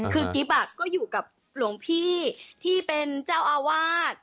คือกิ๊บก็อยู่กับหลวงพี่ที่เป็นเจ้าอาวาส